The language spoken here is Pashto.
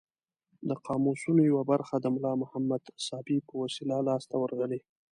د قاموسونو یوه برخه د ملا محمد ساپي په وسیله لاس ته ورغلې.